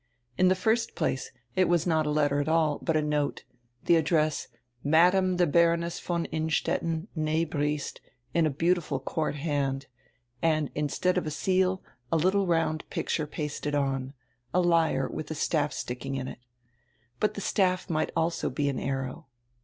In die first place it was not a letter at all, but a note, die address "Madame die Baroness von Innstetten, nee Briest," in a beautiful court hand, and instead of a seal a littie round picture pasted on, a lyre widi a staff sticking in it But die staff might also be an arrow.